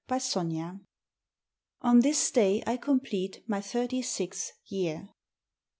_ CCXXIV _'ON THIS DAY I COMPLETE MY THIRTY SIXTH YEAR.